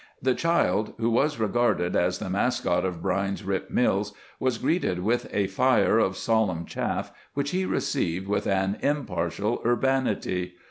The child, who was regarded as the mascot of Brine's Rip Mills, was greeted with a fire of solemn chaff, which he received with an impartial urbanity.